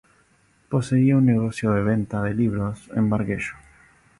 Poseía un negocio de venta de libros en Bargello.